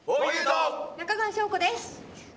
中川翔子です。